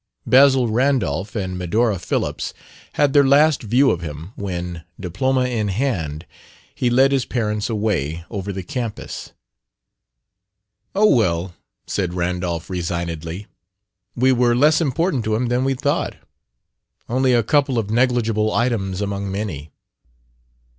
Basil Randolph and Medora Phillips had their last view of him when, diploma in hand, he led his parents away, over the campus. "Oh, well," said Randolph resignedly, "we were less important to him than we thought. Only a couple of negligible items among many.